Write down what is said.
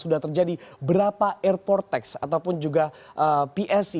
sudah terjadi berapa airport tax ataupun juga psc